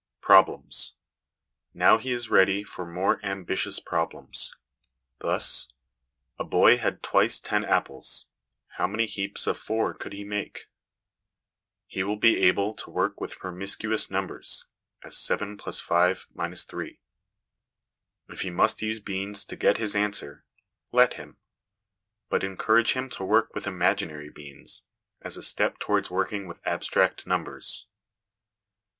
Problems. Now he is ready for more ambitious problems : thus, * A boy had twice ten apples ; how many heaps of 4 could he make ?' He will be able to work with promiscuous numbers, as 7 + 5 3 If he must use beans to get his answer, let him ; but encourage him to work with imaginary beans, as a step towards working with abstract numbers.